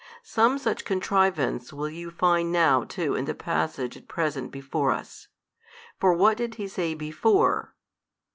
Some such contrivance will you find now too in the passage at present before us. For what did He say before?